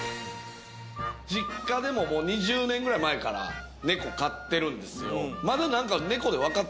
実家でももう２０年ぐらい前から猫飼っているんですよ